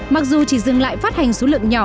mặc dù chỉ dừng lại phát hành số lượng nhỏ